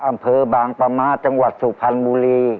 อำเภอบางปะมะจังหวัดสุพรรณบุรี